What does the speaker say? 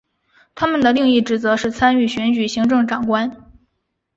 他们的另一职责是参与选举行政长官。